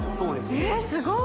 えっすごい！